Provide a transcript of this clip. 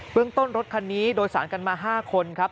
เรื่องต้นรถคันนี้โดยสารกันมา๕คนครับ